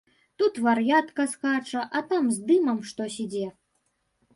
Тут вар'ятка скача, а там з дымам штось ідзе.